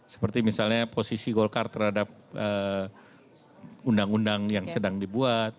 seperti misalnya posisi golkar terhadap undang undang yang sedang dibuat